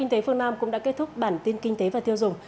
kinh tế phương nam cũng đã kết thúc bản tin kinh tế và tiêu dùng